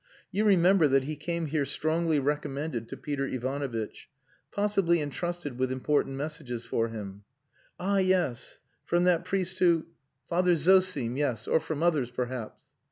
You remember that he came here strongly recommended to Peter Ivanovitch possibly entrusted with important messages for him." "Ah yes! From that priest who..." "Father Zosim yes. Or from others, perhaps."